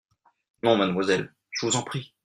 Non, mademoiselle… je vous en prie…